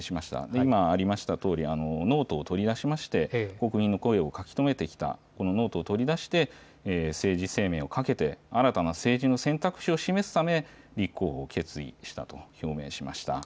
今ありましたとおり、ノートを取り出しまして、国民の声を書き留めてきたこのノートを取り出して、政治生命をかけて、新たな政治の選択肢を示すため、立候補を決意したと表明しました。